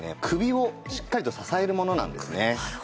首をしっかりと支えるものなんですね。